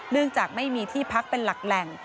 จากไม่มีที่พักเป็นหลักแหล่ง